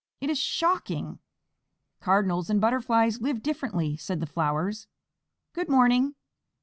It is shocking." "Cardinals and Butterflies live differently," said the flowers. "Good morning."